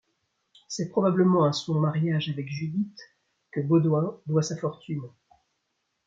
C'est probablement à son mariage avec Judith que Baudouin doit sa fortune.